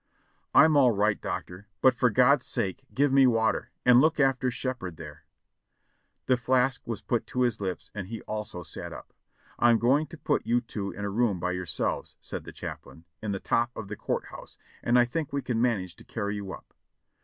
"I'm all right, doctor, but for God's sake give me water, and look after Shepherd there !'' The flask was put to his lips and he also sat up. "I'm going to put you two in a room by yourselves," said the chaplain, "in the top of the court house, and I think we can man age to carry you up.